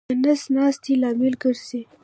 د نس ناستې لامل ګرځي.